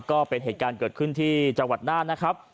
ก็เป็นเหตุการณ์เกิดขึ้นที่จังหวัดน่านนะครับ